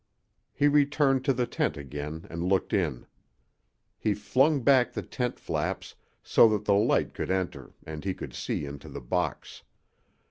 He returned to the tent again and looked in. He flung back the tent flaps so that the light could enter and he could see into the box.